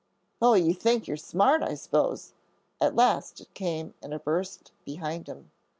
"Oh, you think you're smart, I s'pose," at last it came in a burst behind him.